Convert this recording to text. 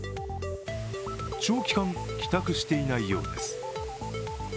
長期間、帰宅していないようです。